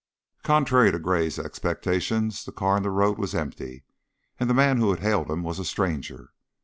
Contrary to Gray's expectations, the car in the road was empty and the man who had hailed him was a stranger.